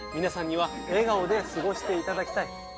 皆さんには笑顔で過ごしていただきたい。